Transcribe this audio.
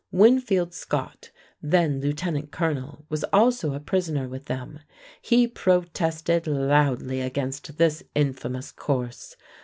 Winfield Scott, then lieutenant colonel, was also a prisoner with them. He protested loudly against this infamous course.